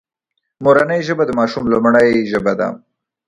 مورنۍ ژبه د ماشوم لومړۍ ژبه ده